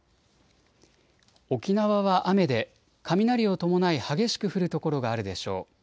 沖縄は雨で雷を伴い激しく降る所があるでしょう。